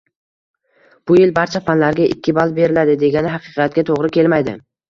Bu yil barcha fanlarga ikki ball beriladi, degani haqiqatga to'g'ri kelmaydi